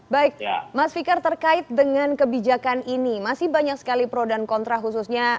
baik mas fikar terkait dengan kebijakan ini masih banyak sekali pro dan kontra khususnya